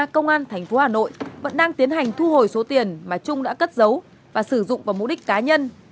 công an tp hà nội vẫn đang tiến hành thu hồi số tiền mà trung đã cất giấu và sử dụng vào mục đích cá nhân